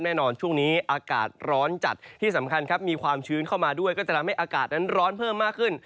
ช่วงนี้อากาศร้อนจัดที่สำคัญครับมีความชื้นเข้ามาด้วยก็จะทำให้อากาศนั้นร้อนเพิ่มมากขึ้น